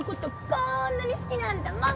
こんなに好きなんだもん。